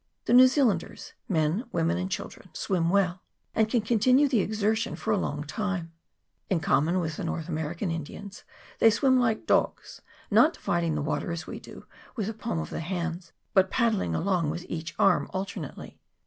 The New Zealanders, men, women, and children, swim well, and can continue the exertion for a long time ; in common with the North American In dians, they swim like dogs, not dividing the water, as we do, with the palm of the hands, but paddling along with each arm alternately.